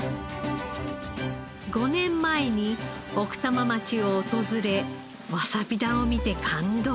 ５年前に奥多摩町を訪れわさび田を見て感動。